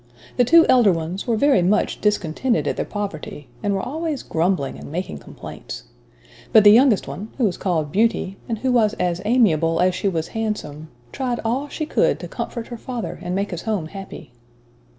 The two elder ones were very much discontented at their poverty, and were always grumbling and making complaints. But the youngest one, who was called Beauty, and who was as amiable as she was handsome, tried all she could to comfort her father and make his home happy.